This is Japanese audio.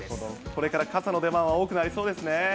これから傘の出番、多くなりそうですね。